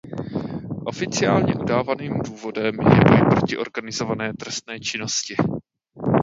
Oficiálně udávaným důvodem je boj proti organizované trestné činnosti.